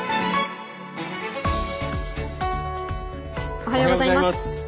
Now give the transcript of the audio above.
おはようございます。